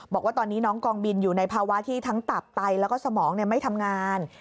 บอกว่าตอนนี้น้องกองบินอยู่ในภาวะที่ทั้งตับไตแล้วก็สมองไม่ทำงาน